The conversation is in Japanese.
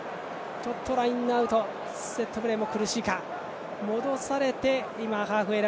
ちょっとラインアウトセットプレーも苦しいか。